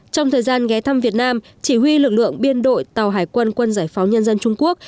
trong thời gian ghé thăm việt nam chỉ huy lực lượng biên đội tàu hải quân quân giải phóng nhân dân trung quốc